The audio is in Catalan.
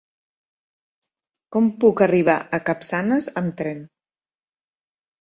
Com puc arribar a Capçanes amb tren?